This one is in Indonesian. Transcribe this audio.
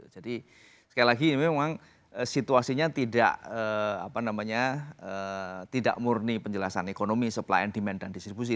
sekali lagi memang situasinya tidak murni penjelasan ekonomi supply and demand dan distribusi